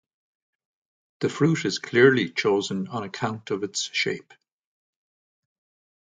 The fruit is clearly chosen on account of its shape.